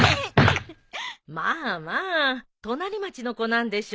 まあまあ隣町の子なんでしょ？